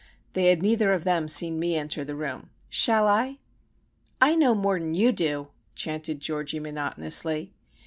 They had neither of them seen me enter the room. "Shall I?" "I know more'n you do!" chanted Georgie, monotonously.